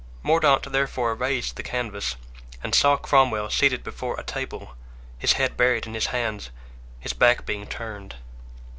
Mordaunt, therefore, raised the canvas, and saw Cromwell seated before a table, his head buried in his hands, his back being turned.